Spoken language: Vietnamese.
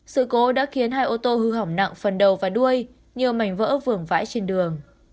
sự cố đã khiến hai ô tô hư hỏng nặng phần đầu và đuôi nhiều mảnh vỡ vườn vãi trên đường